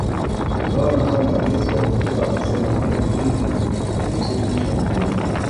Tunaona kwamba jinsi walivyokuwa wakisema maji ndivyo walivyozidi kushambuliwa